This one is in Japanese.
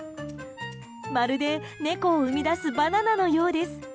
まるで、猫を生み出すバナナのようです。